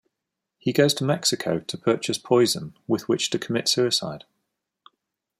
He goes to Mexico to purchase poison with which to commit suicide.